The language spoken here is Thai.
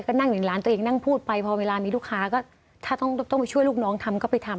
ก็นั่งอยู่ในร้านตัวเองนั่งพูดไปพอเวลามีลูกค้าก็ถ้าต้องไปช่วยลูกน้องทำก็ไปทำ